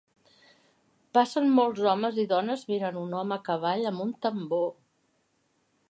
Passen molts homes i dones mirant un home a cavall amb un tambor.